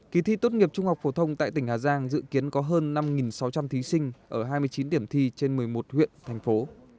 kỳ thi tốt nghiệp trung học phổ thông tại tỉnh hà giang dự kiến có hơn năm sáu trăm linh thí sinh ở hai mươi chín điểm thi trên một mươi một huyện thành phố